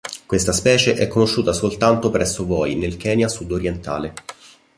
Questa specie è conosciuta soltanto presso Voi, nel Kenya sud-orientale.